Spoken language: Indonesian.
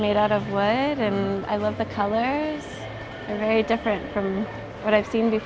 mereka sangat berbeda dengan yang aku lihat sebelumnya